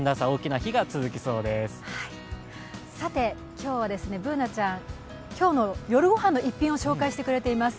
今日はＢｏｏｎａちゃん、今日の夜ごはんの一品を紹介してくれています。